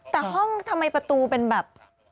แต่ห้องทำไมประตูเป็นแบบ